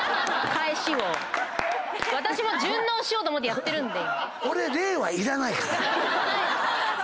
私も順応しようと思ってやってるんで。